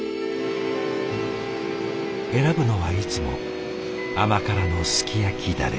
選ぶのはいつも甘辛のすき焼きダレ。